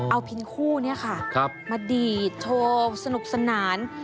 อ๋อเอาเพียงคู่เนี้ยค่ะครับมาดีดโชว์สนุกสนาน